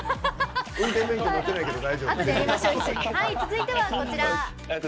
続いてはこちら。